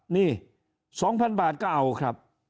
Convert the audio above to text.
นี่๒๐๐๐บาทก็เอาครับ